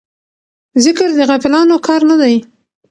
ذکر د غافلانو کار نه دی.